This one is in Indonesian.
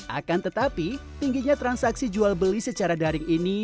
akan tetapi tingginya transaksi jual beli secara daring ini